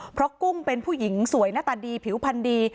เพราะกุ้งเป็นผู้หญิงสวยหน้าตาดีผิวพันธุ์ดี